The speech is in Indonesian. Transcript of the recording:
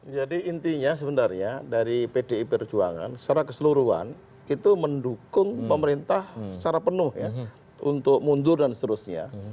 jadi intinya sebenarnya dari pdi perjuangan secara keseluruhan itu mendukung pemerintah secara penuh untuk mundur dan seterusnya